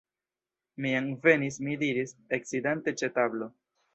Mi jam venis! mi diris, eksidante ĉe tablo.